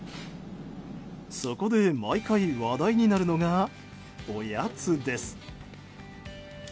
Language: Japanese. そこで毎回、話題になるのがおやつです。